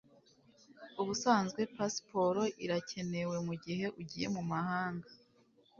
Ubusanzwe pasiporo irakenewe mugihe ugiye mumahanga